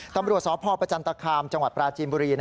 ตำรวจสพประจันตคามจังหวัดปราจีนบุรี